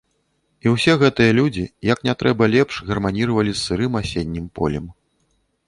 І ўсе гэтыя людзі як не трэба лепш гарманіравалі з сырым асеннім полем.